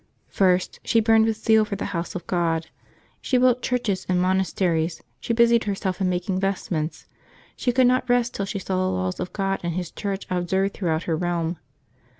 First, she burned with zeal for the house of God. She built churches and monasteries ; she busied herself in making vestments; she could not rest till she saw the laws of God and His Church observed throughout her realm.